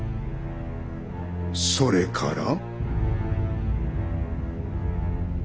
それから？